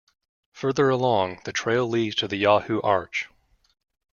Further along, the trail leads to the Yahoo Arch.